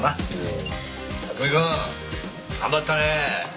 拓海くん頑張ったね！